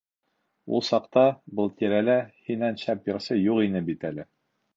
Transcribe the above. -Ул саҡта был тирәлә һинән шәп йырсы юҡ ине бит әле.